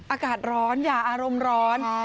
อากาศร้อนอย่าอารมณ์ร้อน